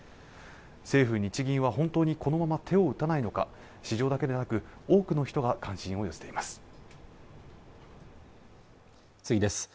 政府日銀は本当にこのまま手を打たないのか市場だけでなく多くの人が関心を寄せています